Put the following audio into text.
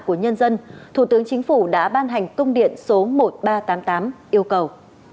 của nhân dân thủ tướng chính phủ đã ban hành công điện số một nghìn ba trăm tám mươi tám yêu cầu